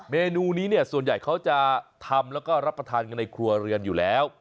เมนูนี้เนี่ยส่วนใหญ่เขาจะทำแล้วก็รับประทานกันในครัวเรือนอยู่แล้ว